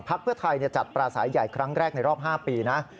เพื่อไทยจัดปราศัยใหญ่ครั้งแรกในรอบ๕ปีนะ